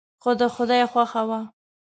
خو د خدای خوښه وه.